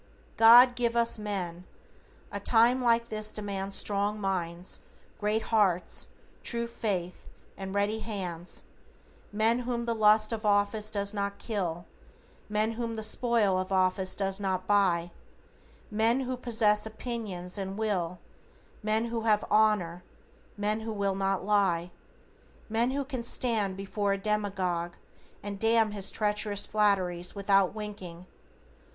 "God give us men! A time like this demands Strong minds, great hearts, true faith, and ready hands; Men whom the lust of office does not kill; Men whom the spoil of office does not buy; Men who possess opinions and a will; Men who have honor, men who will not lie; Men who can stand before a demagogue, And damn his treacherous flatteries without winking!